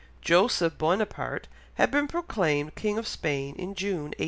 Joseph Buonaparte had been proclaimed King of Spain in June 1808.